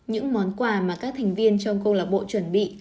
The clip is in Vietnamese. những món quà mà các thành viên trong câu lạc bộ chuẩn bị